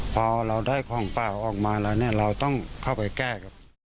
พอเราได้ของเปล่าออกมาแล้วเนี่ยเราต้องเข้าไปแก้กับ